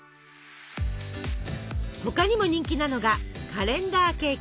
他にも人気なのがカレンダーケーキ。